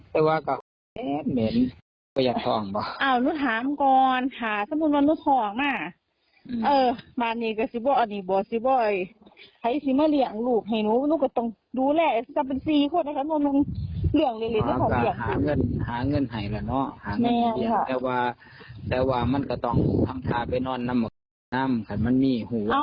แต่ว่ามันก็ต้องพร้ำทาไปนอนนำออกไปนำแต่มันมีหูมันมีอีกอย่างนี้